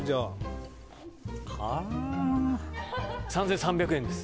３３００円です！